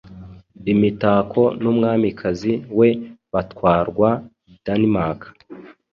Imitako numwamikazi we batwarwa Danemark